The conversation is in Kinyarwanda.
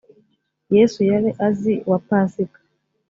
yesu yari azi wa pasika